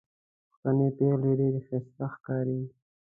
پښتنې پېغلې ډېرې ښايستې ښکاري